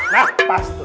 nah pas tuh